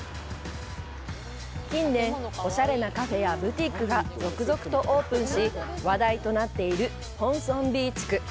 近年、おしゃれなカフェやブティックが続々とオープンし、話題となっている「ポンソンビー地区」。